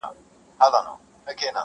بس همدومره مي زده کړي له استاده.!